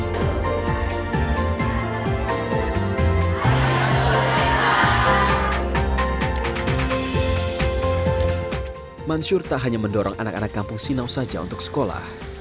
mas mansur tidak hanya mendorong anak anak kampung senau saja untuk sekolah